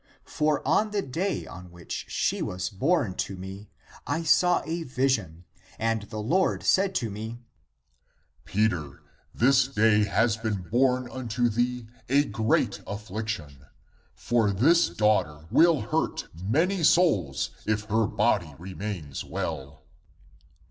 For on the day on which she was born to me, I saw a vision and the Lord said to me, ' Peter, this day has been born unto thee a great (p. 132) affliction, for this (i. e. daughter) will hurt many souls, if her body remains well